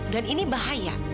dan ini bahaya